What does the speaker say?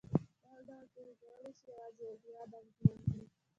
دا ډول پېښې کولای شي یوازې یو هېواد اغېزمن کړي.